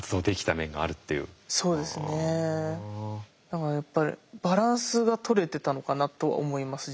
だからやっぱりバランスがとれてたのかなと思います